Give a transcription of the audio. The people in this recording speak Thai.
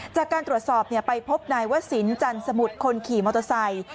จากการตรวจสอบไปพบนายวศิลปันสมุทรคนขี่มอเตอร์ไซค์